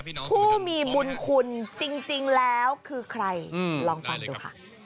ผู้มีบุญคุณจริงแล้วคือใครลองฟังดูค่ะ